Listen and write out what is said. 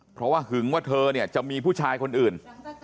เพราะว่าหึงว่าเธอเนี่ยจะมีผู้ชายคนอื่น